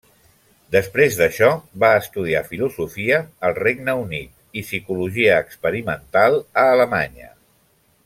Després d'això va estudiar filosofia al Regne Unit i psicologia experimental a Alemanya.